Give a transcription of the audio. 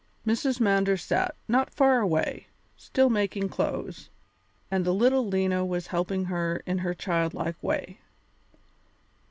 Mrs. Mander sat, not far away, still making clothes, and the little Lena was helping her in her childlike way.